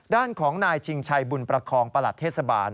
ด้านของนายชิงชัยบุญประคองประหลัดเทศบาล